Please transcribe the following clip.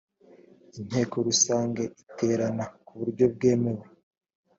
inteko rusange iterana ku buryo bwemewe